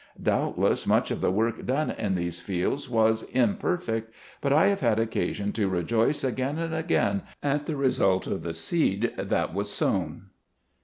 Doubtless much of the work done in these fields was imperfect. But I have had occasion to rejoice again and again at the result of the seed that was sown.